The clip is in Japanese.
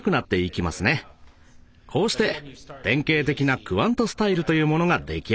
こうして典型的なクワントスタイルというものが出来上がったのです。